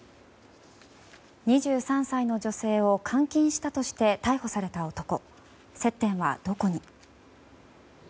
２３歳の女性を監禁したとして逮捕された男。